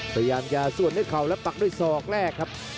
พยายามจะส่วนด้วยเข่าและปักด้วยศอกแรกครับ